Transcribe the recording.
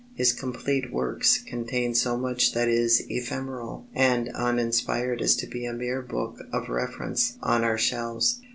His "complete works" contain so much that is ephemeral and uninspired as to be a mere book of reference on our shelves.